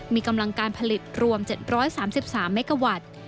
มีกำลังการผลิตรวม๗๓๓เมกาวัตต์